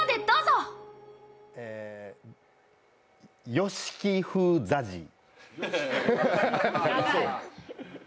ＹＯＳＨＩＫＩ風ＺＡＺＹ？